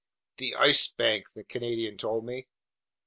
"The Ice Bank!" the Canadian told me.